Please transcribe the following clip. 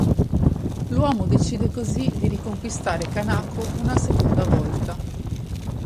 L'uomo decide così di riconquistare Kanako una seconda volta.